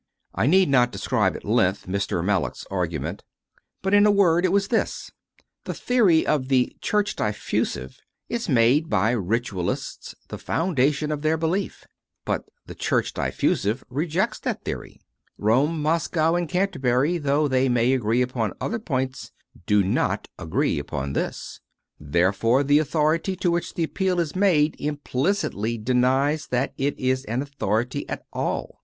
I need not describe at length Mr. Mallock s argu ment, but, in a word, it was this: the theory of the "Church Diffusive 7 is made by Ritualists the foun dation of their belief, but the "Church Diffusive" rejects that theory; Rome, Moscow, and Canter bury, though they may agree upon other points, do not agree upon this. Therefore the authority CONFESSIONS OF A CONVERT 105 to which the appeal is made implicitly denies that it is an authority at all.